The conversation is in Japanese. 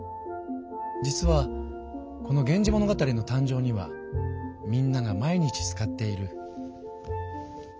実はこの「源氏物語」の誕生にはみんなが毎日使っている。